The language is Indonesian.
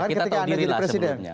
ketika anda jadi presiden